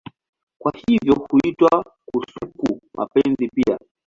Kwa hivyo huitwa kasuku-mapenzi pia.